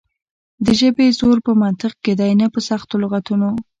د ژبې زور په منطق کې دی نه په سختو لغتونو.